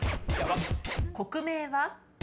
国名は？